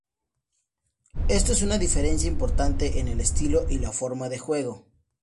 Esto es una diferencia importante en el estilo y la forma de juego.